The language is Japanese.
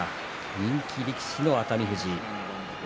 人気の熱海富士。